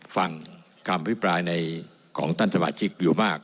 ฟังความอภิปรายของต้านสมาชิกอยู่มาก